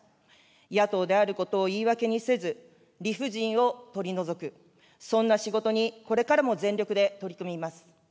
野党であることを言い訳にせず、理不尽を取り除く、そんな仕事にこれからも全力で取り組みます。